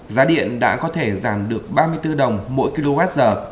giá điện đã có thể giảm được ba mươi bốn đồng mỗi kwh